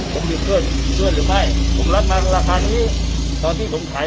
ผมมีเพื่อนมีเพื่อนหรือไม่ผมรับมาราคานี้ตอนที่ผมขาย